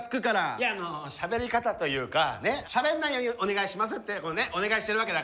いやあのしゃべり方というかねしゃべんないようにお願いしますってお願いしてるわけだから。